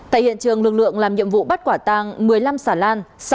tại hiện trường lực lượng làm nhiệm vụ bắt quả tàng một mươi năm xà lan